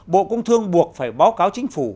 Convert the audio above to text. bộ công thương buộc phải báo cáo chính phủ